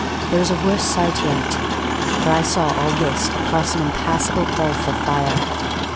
there was a worse sight yet; for I saw all this across an impassable gulf of fire.